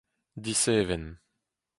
diseven